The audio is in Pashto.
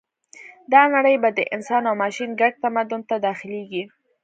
دا نړۍ به د انسان او ماشین ګډ تمدن ته داخلېږي